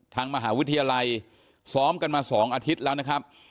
ทางมหาวิทยาลัยซ้อมกันมา๒อาทิตย์แล้วนะครับ